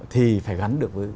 thì phải gắn được với